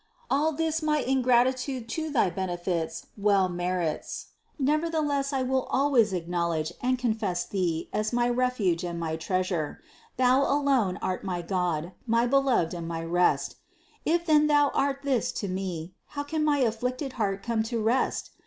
All this my ingratitude to thy benefits well THE CONCEPTION 543 merits ; nevertheless I will always acknowledge and con fess Thee as my refuge and my treasure. Thou alone art my God, my Beloved and my rest : If then Thou art this to me, how can my afflicted heart come to rest?